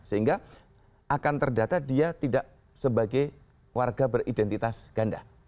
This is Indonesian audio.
sehingga akan terdata dia tidak sebagai warga beridentitas ganda